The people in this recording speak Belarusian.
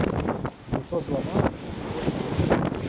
Не то злаваў, не то што.